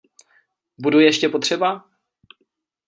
Budu ještě potřeba?